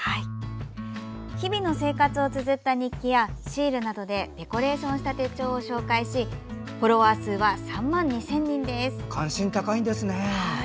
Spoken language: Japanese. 日々の生活をつづった日記やシールなどでデコレーションした手帳を紹介しフォロワー数は３万２０００人です。